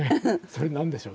それなんでしょう？